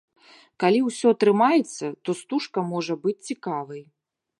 Калі ўсё атрымаецца, то стужка можа быць цікавай.